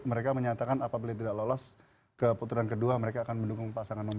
mereka menyatakan apabila tidak lolos ke putaran kedua mereka akan mendukung pasangan nomor satu